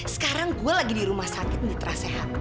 sekarang gue lagi di rumah sakit mitra sehat